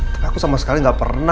tapi aku sama sekali gak pernah